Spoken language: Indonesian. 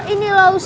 ini lah ustadz